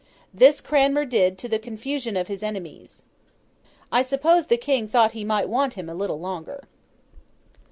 This Cranmer did to the confusion of his enemies. I suppose the King thought he might want him a little longer.